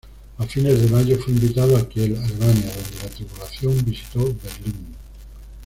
A fines de mayo fue invitado a Kiel, Alemania donde la tripulación visitó Berlín.